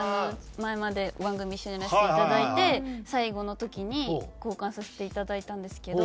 前まで番組一緒にやらせていただいて最後の時に交換させていただいたんですけど。